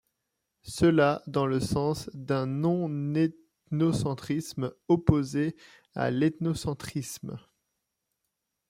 Cela dans le sens d’un non-ethnocentrisme, opposé à l’ethnocentrisme.